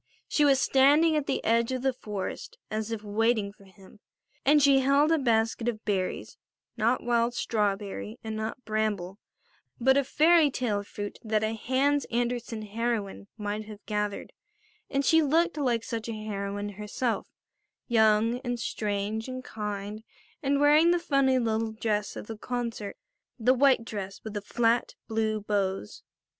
She was standing at the edge of the forest as if waiting for him, and she held a basket of berries, not wild strawberry and not bramble, but a fairy tale fruit that a Hans Andersen heroine might have gathered, and she looked like such a heroine herself, young, and strange, and kind, and wearing the funny little dress of the concert, the white dress with the flat blue bows.